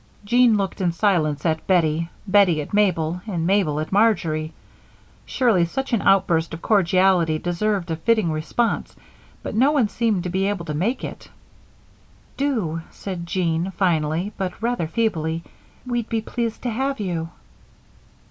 Jean looked in silence at Bettie, Bettie at Mabel, and Mabel at Marjory. Surely such an outburst of cordiality deserved a fitting response, but no one seemed to be able to make it. "Do," said Jean, finally, but rather feebly, "we'd be pleased to have you."